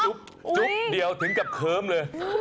จุ๊บเดียวถึงกับเคิ้มเลย